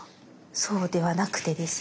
そうではなくてですね